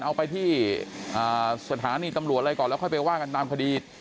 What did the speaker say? เอาไปที่สถานีตำรวจอะไรก่อนแล้วค่อยไปว่ากันตามคดี